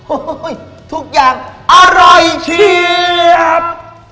โอ้โหทุกอย่างอร่อยเชียบ